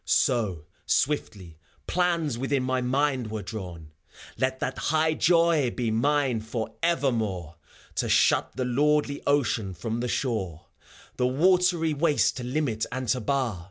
So, swiftly, plans within my mind were drawn : Let that high joy be mine forevermore, To shut the lordly Ocean from the shore, The watery waste to limit and to bar.